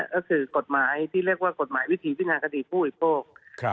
ก็คือกฎหมายที่เรียกว่ากฎหมายวิธีพินาคดีผู้บริโภค